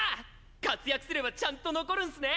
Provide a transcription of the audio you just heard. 活躍すればちゃんと残るんすね！